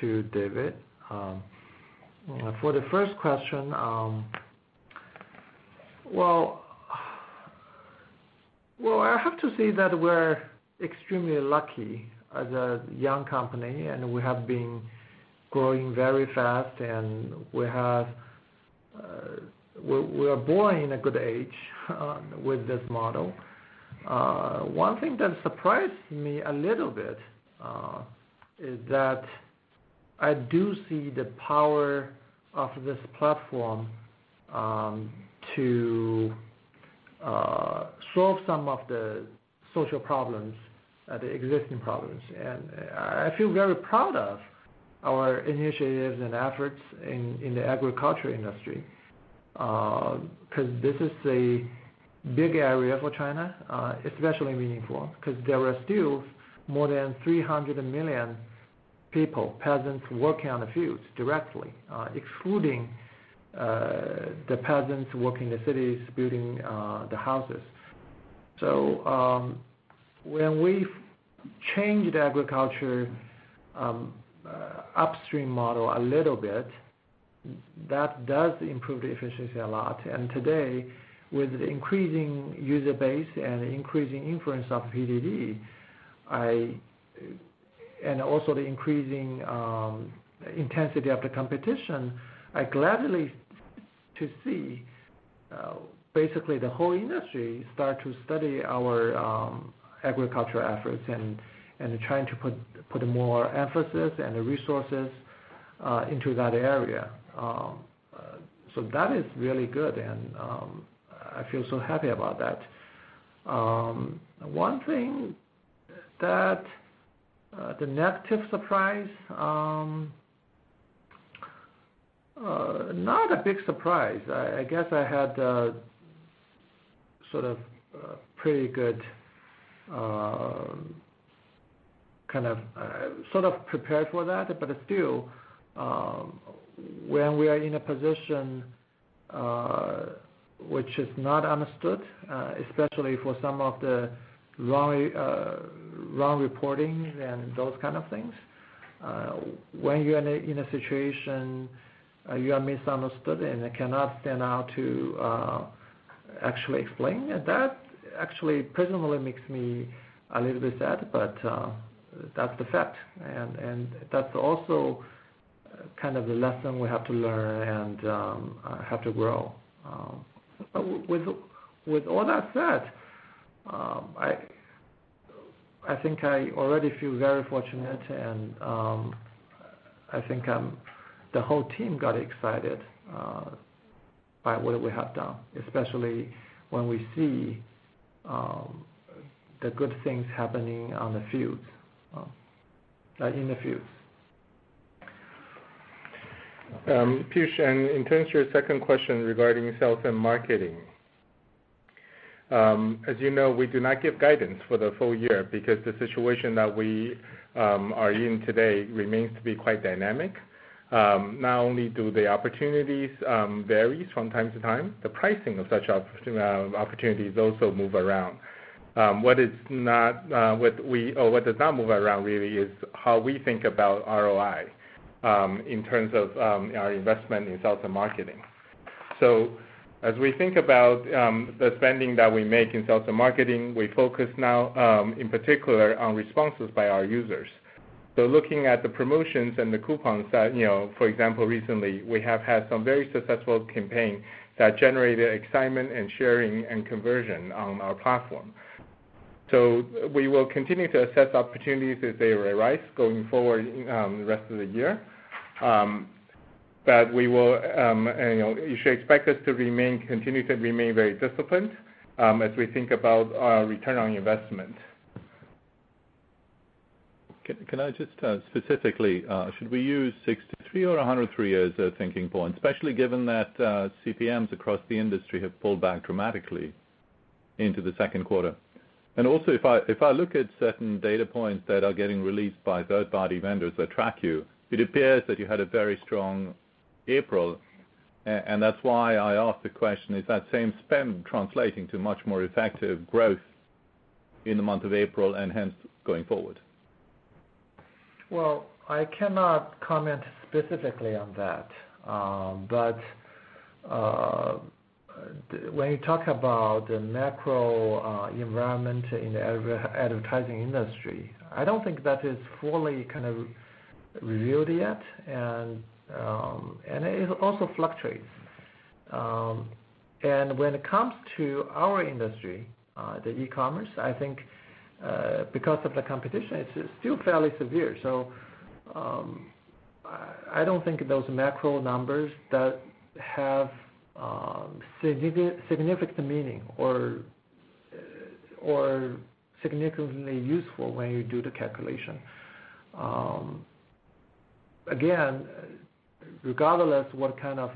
to David. For the first question, well, I have to say that we're extremely lucky as a young company, and we have been growing very fast, and we have, we're born in a good age with this model. One thing that surprised me a little bit is that I do see the power of this platform to solve some of the social problems, the existing problems. I feel very proud of our initiatives and efforts in the agriculture industry, 'cause this is a big area for China, especially meaningful because there are still more than 300 million people, peasants working on the fields directly, excluding the peasants working in the cities building the houses. When we've changed agriculture upstream model a little bit, that does improve the efficiency a lot. Today, with increasing user base and increasing influence of PDD, also the increasing intensity of the competition, I gladly to see basically the whole industry start to study our agriculture efforts and trying to put more emphasis and resources into that area. That is really good, and I feel so happy about that. One thing that the negative surprise, not a big surprise. I guess I had a sort of pretty good kind of sort of prepared for that. Still, when we are in a position which is not understood, especially for some of the wrong reporting and those kind of things, when you're in a situation, you are misunderstood and cannot stand out to actually explain, that actually personally makes me a little bit sad. That's the fact. That's also kind of the lesson we have to learn and have to grow. With all that said, I think I already feel very fortunate, and I think the whole team got excited by what we have done, especially when we see the good things happening on the fields, in the fields. Piyush, in terms of your second question regarding sales and marketing, as you know, we do not give guidance for the full year because the situation that we are in today remains to be quite dynamic. Not only do the opportunities varies from time to time, the pricing of such opportunities also move around. What does not move around really is how we think about ROI in terms of our investment in sales and marketing. As we think about the spending that we make in sales and marketing, we focus now in particular on responses by our users. Looking at the promotions and the coupons that, you know, for example, recently, we have had some very successful campaign that generated excitement and sharing and conversion on our platform. We will continue to assess opportunities as they arise going forward, the rest of the year. We will, and, you know, you should expect us to remain, continue to remain very disciplined, as we think about our return on investment. Can I just specifically, should we use 63 or 103 as a thinking point, especially given that CPMs across the industry have pulled back dramatically into the second quarter? Also, if I look at certain data points that are getting released by third-party vendors that track you, it appears that you had a very strong April, and that's why I asked the question, is that same spend translating to much more effective growth in the month of April and hence going forward? Well, I cannot comment specifically on that. When you talk about the macro environment in advertising industry, I don't think that is fully kind of revealed yet, and it also fluctuates. When it comes to our industry, the e-commerce, I think because of the competition, it's still fairly severe. I don't think those macro numbers that have significant meaning or significantly useful when you do the calculation. Again, regardless what kind of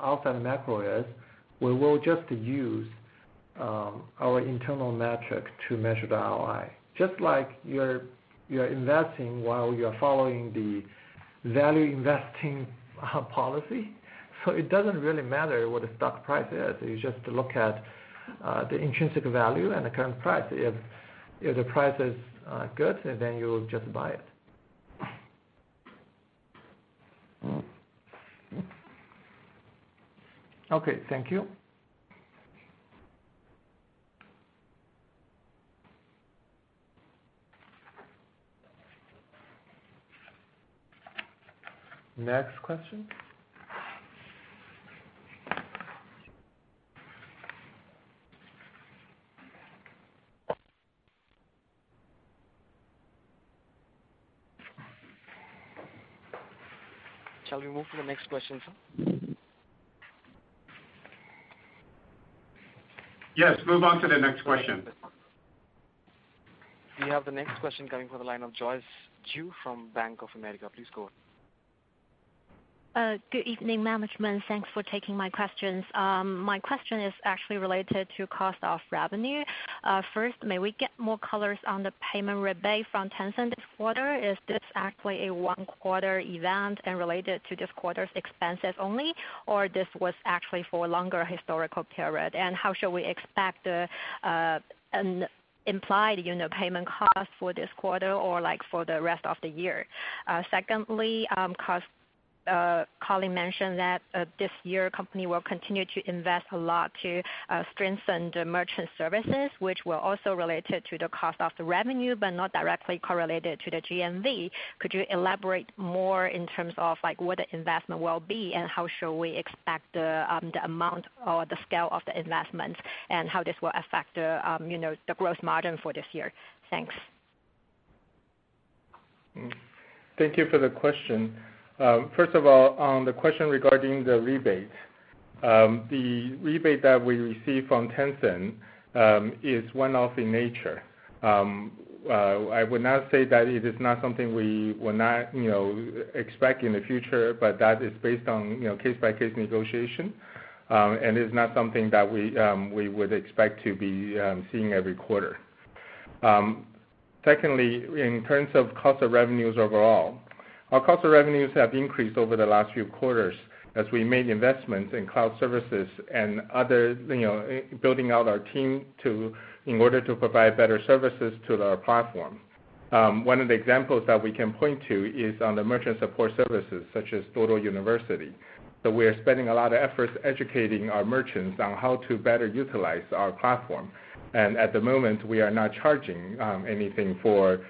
outside macro is, we will just use our internal metric to measure the ROI. Just like you're investing while you are following the value investing policy, it doesn't really matter what the stock price is. You just look at the intrinsic value and the current price. If the price is good, you'll just buy it. Okay. Thank you. Next question? Shall we move to the next question, sir? Yes, move on to the next question. We have the next question coming from the line of Joyce Ju from Bank of America. Please go ahead. Good evening, management. Thanks for taking my questions. My question is actually related to cost of revenue. First, may we get more colors on the payment rebate from Tencent this quarter? Is this actually a one-quarter event and related to this quarter's expenses only, or this was actually for longer historical period? How should we expect the an implied, you know, payment cost for this quarter or, like, for the rest of the year? Secondly, cost, Colin mentioned that this year company will continue to invest a lot to strengthen the merchant services, which were also related to the cost of the revenue, but not directly correlated to the GMV. Could you elaborate more in terms of, like, where the investment will be, and how should we expect the amount or the scale of the investment, and how this will affect the, you know, the gross margin for this year? Thanks. Thank you for the question. First of all, on the question regarding the rebate, the rebate that we receive from Tencent is one-off in nature. I would not say that it is not something we will not, you know, expect in the future, but that is based on, you know, case-by-case negotiation, and is not something that we would expect to be seeing every quarter. Secondly, in terms of cost of revenues overall, our cost of revenues have increased over the last few quarters as we made investments in cloud services and other, you know, building out our team to in order to provide better services to our platform. One of the examples that we can point to is on the merchant support services, such as Duoduo University, that we are spending a lot of efforts educating our merchants on how to better utilize our platform. At the moment, we are not charging anything for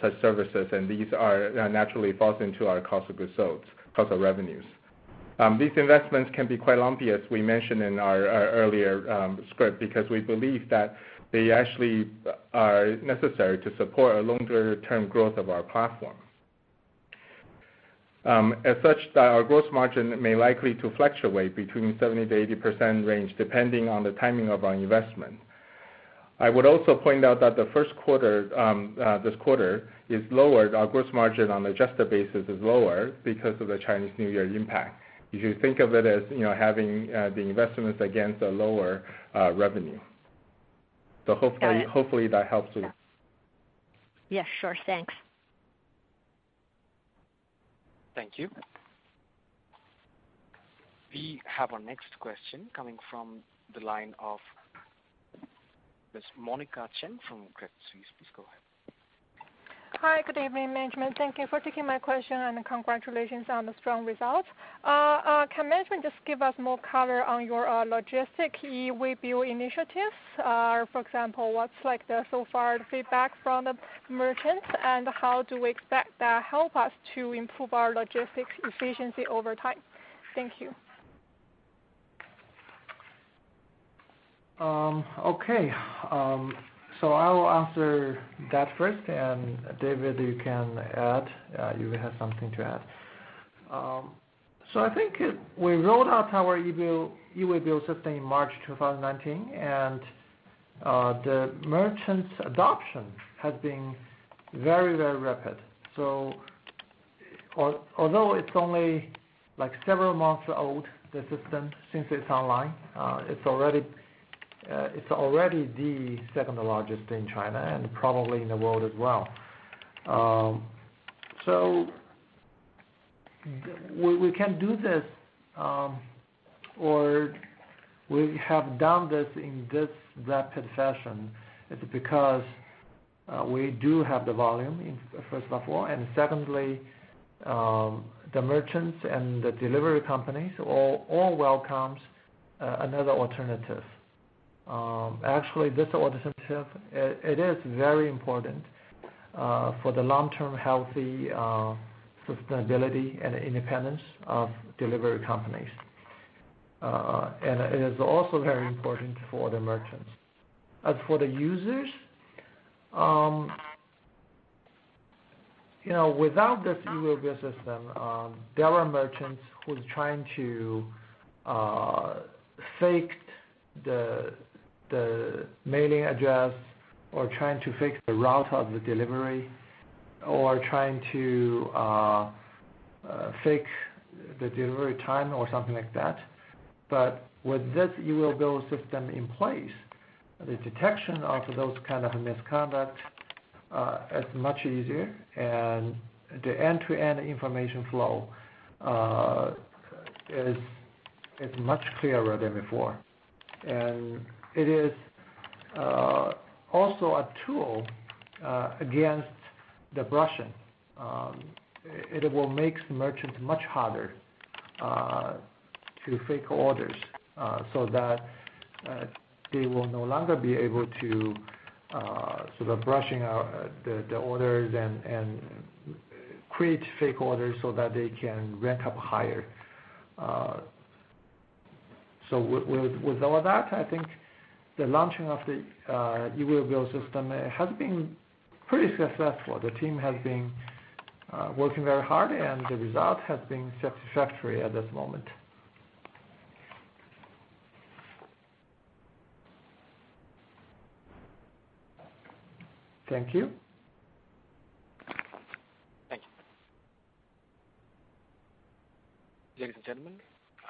such services, and these are naturally falls into our cost of goods sold, cost of revenues. These investments can be quite lumpy, as we mentioned in our earlier script, because we believe that they actually are necessary to support a longer-term growth of our platform. As such, our gross margin may likely to fluctuate between 70%-80% range, depending on the timing of our investment. I would also point out that the first quarter this quarter is lower. Our gross margin on adjusted basis is lower because of the Chinese New Year impact. If you think of it as, you know, having the investments against a lower revenue. Got it. Hopefully that helps you. Yeah, sure. Thanks. Thank you. We have our next question coming from the line of Ms. Monica Chen from Credit Suisse. Please go ahead. Hi. Good evening, management. Thank you for taking my question, and congratulations on the strong results. Can management just give us more color on your logistic e-waybill initiatives? For example, what's like the so far feedback from the merchants, and how do we expect that help us to improve our logistics efficiency over time? Thank you. Okay. I will answer that first, and David, you can add, you have something to add. I think we rolled out our e-waybill system in March 2019, and the merchants adoption has been very, very rapid. Although it's only like several months old, the system, since it's online, it's already the second largest in China and probably in the world as well. We can do this, or we have done this in this rapid fashion is because we do have the volume in, first of all, and secondly, the merchants and the delivery companies all welcomes another alternative. Actually, this alternative, it is very important for the long-term healthy sustainability and independence of delivery companies. It is also very important for the merchants. As for the users, you know, without this e-waybill system, there are merchants who's trying to fake the mailing address or trying to fake the route of the delivery or trying to fake the delivery time or something like that. With this e-waybill system in place, the detection of those kind of misconduct is much easier, and the end-to-end information flow is much clearer than before. It is also a tool against the brushing. It will make merchants much harder to fake orders so that they will no longer be able to sort of brushing out the orders and create fake orders so that they can rank up higher. With all of that, I think the launching of the e-waybill system has been pretty successful. The team has been working very hard, and the result has been satisfactory at this moment. Thank you. Thank you. Ladies and gentlemen,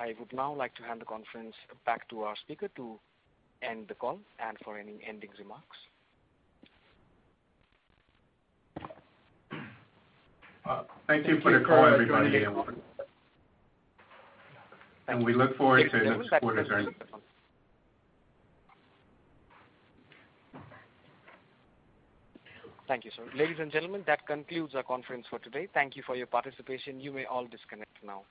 I would now like to hand the conference back to our speaker to end the call and for any ending remarks. Well, thank you for the call, everybody. Thank you. We look forward to the next quarter's earnings. Thank you, sir. Ladies and gentlemen, that concludes our conference for today. Thank you for your participation. You may all disconnect now.